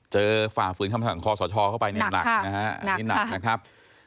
เจอฝ่าฝืนคำสั่งคอสอชอเข้าไปนี่หนักนะครับ